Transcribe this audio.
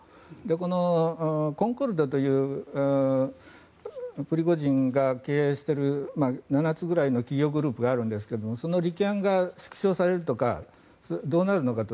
このコンコルドというプリゴジンが経営している７つぐらいの企業グループがあるんですがその利権が縮小されるとかどうなるのかと。